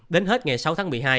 đến hết ngày sáu tháng một mươi hai